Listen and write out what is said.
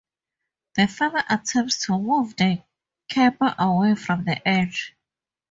The father attempts to move the camper away from the edge.